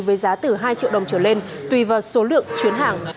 với giá từ hai triệu đồng trở lên tùy vào số lượng chuyến hàng